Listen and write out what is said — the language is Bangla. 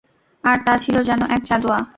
আর তা ছিল যেন এক চাঁদোয়া।